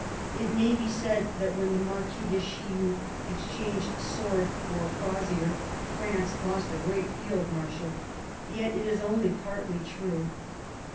It may be said that when the Marquis du Chillou exchanged sword for crosier France lost a great field marshal; yet it is only partly true.